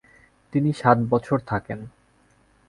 তিনি সাত বছর থাকেন।